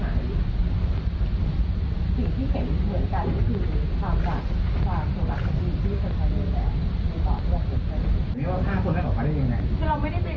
จริงตอนนี้พี่ยืนยันว่าภาพที่เราได้เห็น